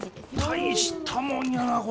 大したもんやなこれ。